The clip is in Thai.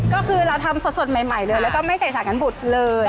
ก็คือเราทำสดใหม่เลยแล้วก็ไม่ใส่สารกันบุตรเลย